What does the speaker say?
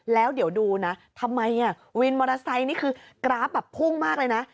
แล้วเดี๋ยวดูนะทำไมวินมอเตอร์ไซค์นี่คือกราฟแบบพุ่งมากเลยนะ